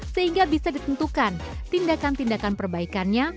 sehingga bisa ditentukan tindakan tindakan perbaikannya